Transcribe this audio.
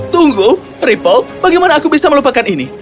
tunggu ripple bagaimana aku bisa melupakan ini